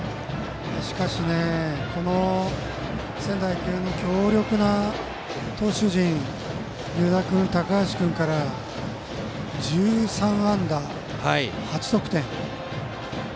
しかし、仙台育英の強力な投手陣である湯田君、高橋君から１３安打８得点。